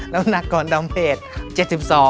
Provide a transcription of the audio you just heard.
แล้วหนักก่อนดำเพจ๗๒บาท